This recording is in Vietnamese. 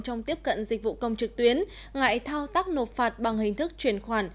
trong tiếp cận dịch vụ công trực tuyến ngại thao tác nộp phạt bằng hình thức chuyển khoản